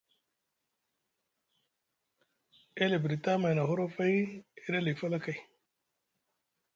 E libiɗi tamay na horofay e ɗi ali falakay.